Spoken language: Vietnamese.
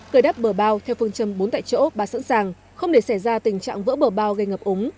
cười đắp bờ bao theo phương châm bốn tại chỗ ba sẵn sàng không để xảy ra tình trạng vỡ bờ bao gây ngập úng